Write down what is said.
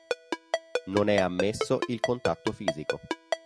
Non è ammesso il contatto fisico.